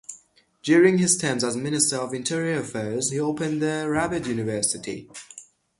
During his term as Minister of Interior Affairs, he opened the Rabat University.